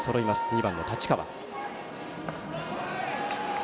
２番の太刀川。